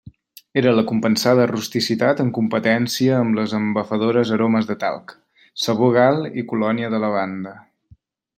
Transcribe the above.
Era la compensada rusticitat en competència amb les embafadores aromes de talc, sabó Gal i colònia de lavanda.